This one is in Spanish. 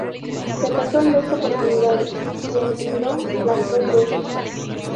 Se casó en dos oportunidades, y enviudó las dos veces.